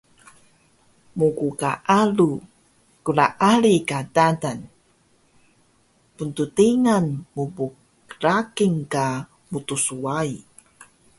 Mggaalu klaali ka dadal, pnttingan mpqraqil ka mtswai